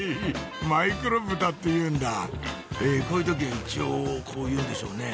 マイクロブタっていうんだこういう時一応こう言うんでしょうね